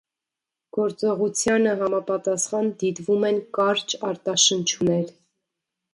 Գործողությանը համապատասխան դիտվում են կարճ արտաշնչումներ։